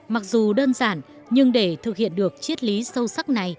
mặc dù đơn giản nhưng để thực hiện được chiết lý sâu sắc này